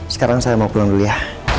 sekarang saya mau pulang dulu ya